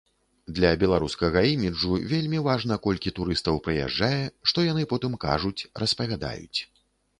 Для беларускага іміджу вельмі важна, колькі турыстаў прыязджае, што яны потым кажуць, распавядаюць.